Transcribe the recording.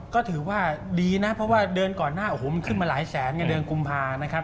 ก็ถือว่าดีนะเพราะว่าเดือนก่อนหน้าโอ้โหมันขึ้นมาหลายแสนไงเดือนกุมภานะครับ